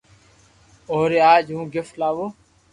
اوري آج ھون گفت لاوُ